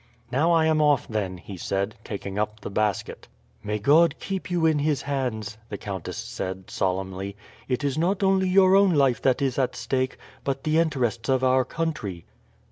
"Now I am off, then," he said, taking up the basket. "May God keep you in His hands!" the countess said solemnly. "It is not only your own life that is at stake, but the interests of our country."